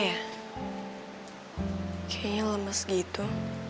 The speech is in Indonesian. kayaknya lemes gitu